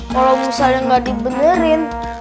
kalau musa yang nggak dibenerin